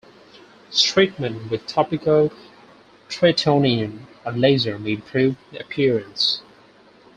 Treatment with topical tretinoin or laser may improve the appearance.